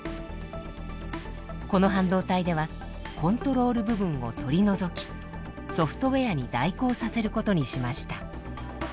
この半導体ではコントロール部分を取り除きソフトウエアに代行させることにしました。